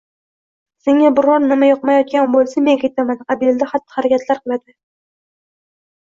Senga biron nima yoqmayotgan bo‘lsa, men ketaman!” – qabilida xatti-harakatlar qiladi.